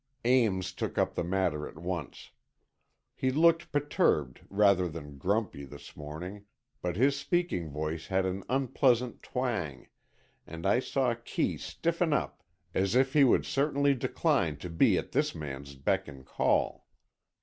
Ames took up the matter at once. He looked perturbed rather than grumpy this morning, but his speaking voice had an unpleasant twang, and I saw Kee stiffen up as if he would certainly decline to be at this man's beck and call.